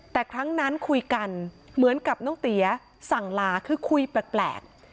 แต่ครั้งนั้นคุยกันเหมือนกับน้องเตี๋ยสั่งลาคือคุยแปลก